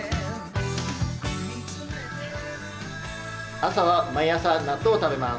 朝は毎朝、納豆を食べます。